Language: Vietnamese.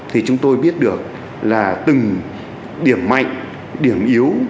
thì chúng tôi biết được là từng điểm mạnh điểm yếu